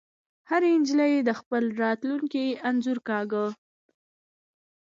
هرې نجلۍ د خپل راتلونکي انځور کاږه